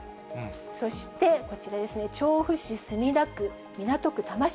そしてこちらですね、調布市、墨田区、港区、多摩市。